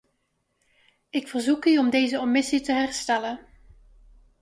Ik verzoek u om deze omissie te herstellen.